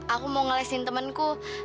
aku mau ngelesin temenku